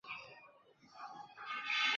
它也是奇尔特恩区属下的一个民政教区。